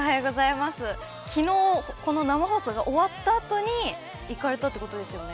昨日、この生放送が終わったあとに行かれたということですよね？